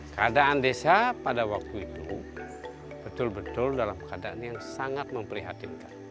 keadaan desa pada waktu itu betul betul dalam keadaan yang sangat memprihatinkan